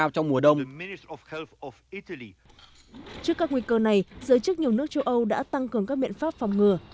trước các nguy cơ này giới chức nhiều nước châu âu đã tăng cường các biện pháp phòng ngừa